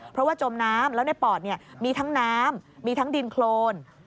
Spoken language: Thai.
เพราะว่าจมน้ำแล้วในปอดมีทั้งน้ำมีทั้งดินโครน